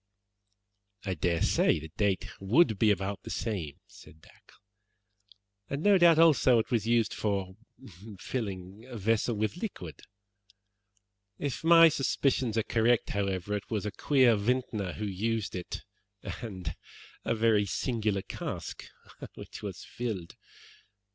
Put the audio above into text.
"I dare say the date would be about the same," said Dacre, "and, no doubt, also, it was used for filling a vessel with liquid. If my suspicions are correct, however, it was a queer vintner who used it, and a very singular cask which was filled.